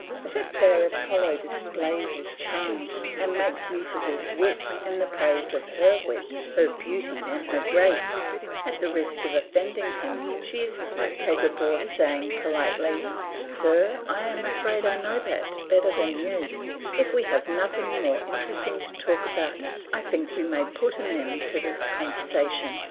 If a fair Apollo displays his charms, and makes use of his wit in the praise of her wit, her beauty, and her grace; at the risk of offending him she is quite capable of saying politely, "Sir, I am afraid I know that better than you; if we have nothing more interesting to talk about, I think we may put an end to this conversation."